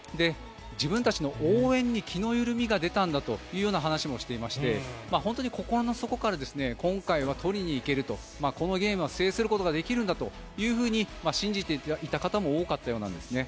自分たちの応援に気の緩みが出たんだという話もしていまして本当に心の底から今回は取りに行けるとこのゲームは制することができるんだというふうに信じていた方も多かったようなんですね。